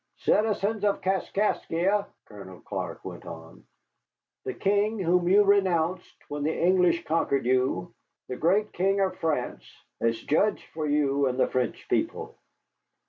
"Citizens of Kaskaskia," Colonel Clark went on, "the king whom you renounced when the English conquered you, the great King of France, has judged for you and the French people.